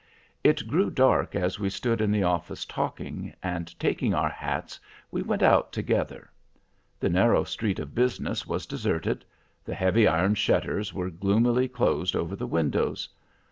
It grew dark as we stood in the office talking, and taking our hats we went out together. The narrow street of business was deserted. The heavy iron shutters were gloomily closed over the windows.